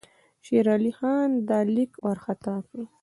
شېر علي خان دا لیک وارخطا کړ.